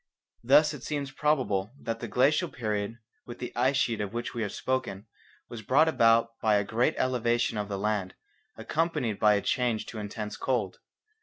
Thus it seems probable that the glacial period with the ice sheet of which we have spoken was brought about by a great elevation of the land, accompanied by a change to intense cold.